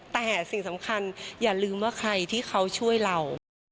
แต่สิ่งสำคัญอย่าลืมว่าใครที่เขาช่วยเรา